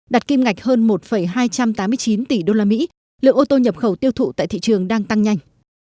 đặt kim ngạch hơn một hai trăm tám mươi chín tỷ đô la mỹ lượng ô tô nhập khẩu tiêu thụ tại thị trường đang tăng nhanh